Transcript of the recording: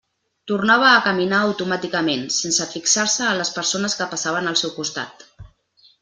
Tornava a caminar automàticament, sense fixar-se en les persones que passaven al seu costat.